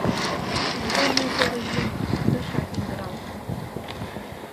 Мочол незер еҥ тышак индыралте.